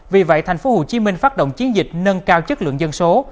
vì vậy tp hcm phát động chiến dịch nâng cao chất lượng dân số